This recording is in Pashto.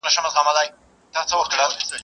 فابریکې څنګه د موادو واردات کوي؟